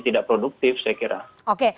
tidak produktif saya kira oke